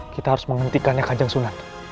kita harus menghentikannya kanjang sunan